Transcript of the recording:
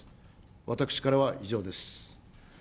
私からは以上です。